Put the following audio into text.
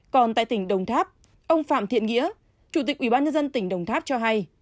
còn tại tỉnh đồng tháp ông phạm thiện nghĩa chủ tịch ubnd tỉnh đồng tháp cho hay